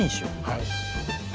はい。